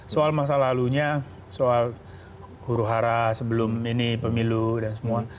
soal masa lalunya soal huru hara sebelum ini pemilu dan semua